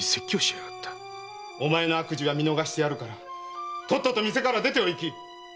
〔悪事は見逃してやるからとっとと店から出ておいき！〕